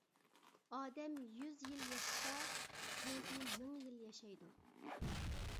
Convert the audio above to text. ئادەم يۈز يىل ياشىسا، سۆزى مىڭ يىل ياشايدۇ.